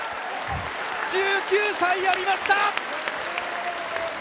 １９歳、やりました！